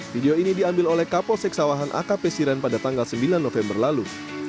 video ini diambil oleh kapol seksawahan akp siran pada tanggal sembilan november lalu